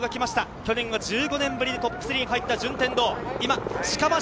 去年は１５年ぶり、トップ３に入った順天堂。